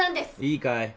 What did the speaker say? いいかい？